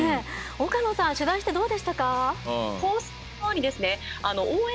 岡野さん取材してどうでしたか？